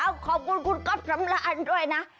เอ้าขอบคุณคุณกอฟสำราญด้วยนะ